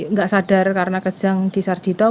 nggak sadar karena kejang disarjidau